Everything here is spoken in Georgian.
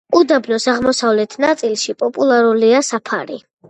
უდაბნოს აღმოსავლეთ ნაწილში პოპულარულია საფარი.